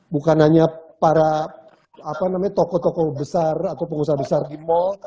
bukan hanya para tokoh tokoh besar atau pengusaha besar di mall